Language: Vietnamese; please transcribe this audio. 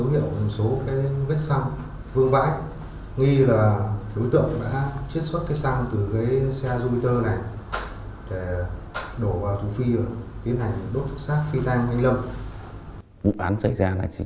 dạ vâng đúng rồi có đúng đối tượng này mà mặc áo này